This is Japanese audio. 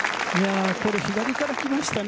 左から来ましたね。